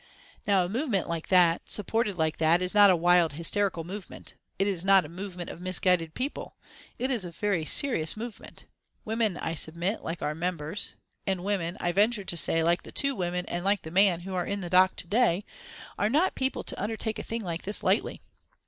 "Now a movement like that, supported like that, is not a wild, hysterical movement. It is not a movement of misguided people. It is a very serious movement. Women, I submit, like our members, and women, I venture to say, like the two women, and like the man who are in the dock to day, are not people to undertake a thing like this lightly.